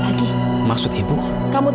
ibu gak usah lo nganramin